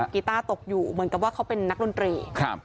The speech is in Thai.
กีต้าตกอยู่เหมือนกับว่าเขาเป็นนักดนตรีครับ